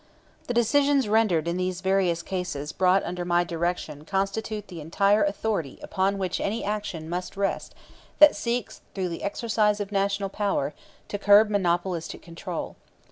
The decisions rendered in these various cases brought under my direction constitute the entire authority upon which any action must rest that seeks through the exercise of national power to curb monopolistic control.